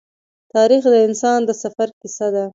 تاریخ د انسان د سفر کیسه ده.